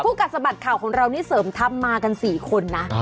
กัดสะบัดข่าวของเรานี่เสริมทัพมากัน๔คนนะ